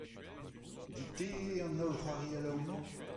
Dit-te eo an holl c'hoarielloù-mañ ?